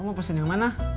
kamu mau pesen yang mana